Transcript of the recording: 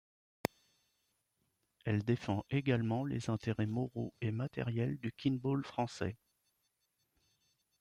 Elle défend également les intérêts moraux et matériels du Kin-Ball français.